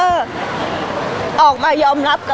พี่ตอบได้แค่นี้จริงค่ะ